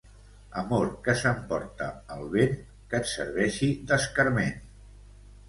Amor que s'emporta el vent, que et serveixi d'escarment.